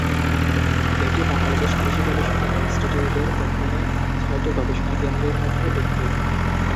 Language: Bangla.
এটি বাংলাদেশ কৃষি গবেষণা ইনস্টিটিউটের অধীনে ছয়টি গবেষণা কেন্দ্রের মধ্যে একটি।